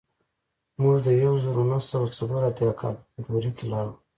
موږ د یو زرو نهه سوه څلور اتیا کال په فبروري کې لاړو